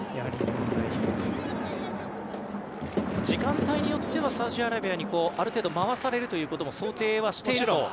時間帯によってはサウジアラビアにある程度、回されるということも想定はしていると。